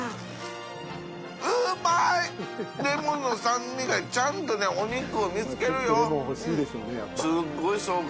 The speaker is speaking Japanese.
淵船礇鵝レモンの酸味がちゃんとねお肉を見つけるよ。